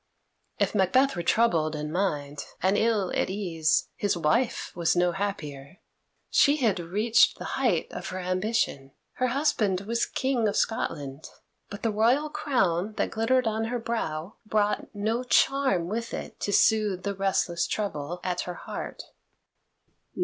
If Macbeth were troubled in mind and ill at ease, his wife was no happier. She had reached the height of her ambition: her husband was King of Scotland. But the royal crown that glittered on her brow brought no charm with it to soothe the restless trouble at her heart.